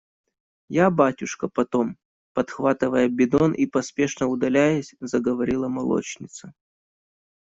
– Я, батюшка, потом. – подхватывая бидон и поспешно удаляясь, заговорила молочница.